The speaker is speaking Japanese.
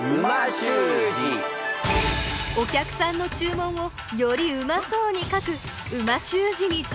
お客さんの注文をよりうまそうに書く美味しゅう字に挑戦！